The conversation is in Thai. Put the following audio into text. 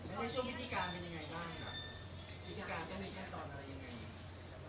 เวลาช่วงพิธิการเป็นอย่างไหนบ้าง